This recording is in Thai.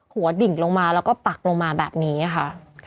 ดิ่งลงมาแล้วก็ปักลงมาแบบนี้ค่ะ